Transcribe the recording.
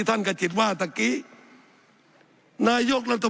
สับขาหลอกกันไปสับขาหลอกกันไป